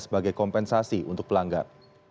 sebagai kompensasi untuk pelanggan